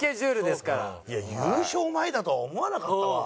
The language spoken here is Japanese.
優勝前だとは思わなかったわ。